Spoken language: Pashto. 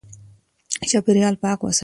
چاپېريال پاک وساته